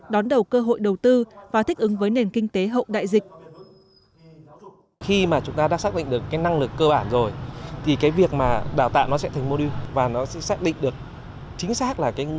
đón đầu cơ hội đầu tư và thích ứng với nền kinh tế hậu đại dịch